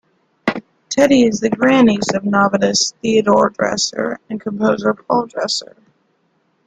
Tedi is the grandniece of novelist Theodore Dreiser and composer Paul Dresser.